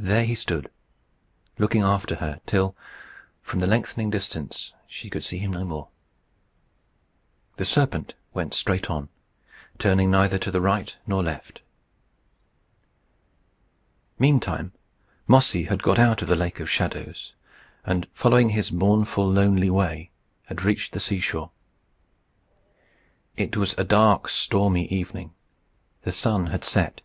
There he stood, looking after her, till, from the lengthening distance, she could see him no more. The serpent went straight on, turning neither to the right nor left. Meantime Mossy had got out of the Lake of Shadows, and, following his mournful, lonely way, had reached the sea shore. It was a dark, stormy evening. The sun had set.